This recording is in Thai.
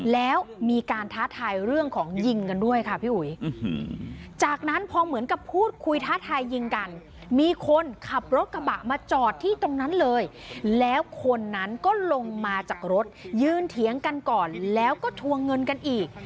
แล้วคนนั้นก็ลงมาจากรถยืนเถียงกันก่อนแล้วก็ทวงเงินกันอีก